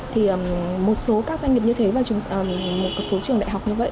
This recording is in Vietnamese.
thì một số các doanh nghiệp như thế và một số trường đại học như vậy